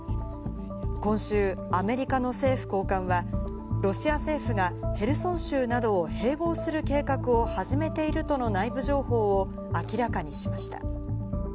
今週、アメリカの政府高官は、ロシア政府がヘルソン州などを併合する計画を始めているとの内部情報を明らかにしました。